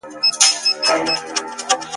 د جګړې ډګر له وینو او اوره ډک وو.